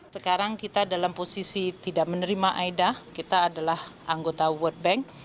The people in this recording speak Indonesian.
sekarang kita dalam posisi tidak menerima aida kita adalah anggota world bank